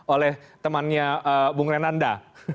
oleh temannya bung renanda